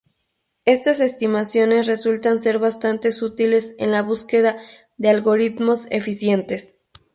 Estas estimaciones resultan ser bastante útiles en la búsqueda de algoritmos eficientes.